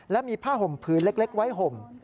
และมีผ้าห่มพื้นเล็กไว้ห่ม